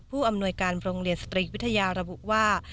อำนวยการโรงเรียนสตรีวิทยาระบุว่า